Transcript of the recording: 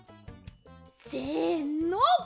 せの！